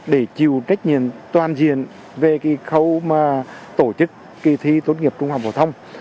để chịu trách nhiệm toàn diện về khâu tổ chức kỳ thi tốt nghiệp trung học phổ thông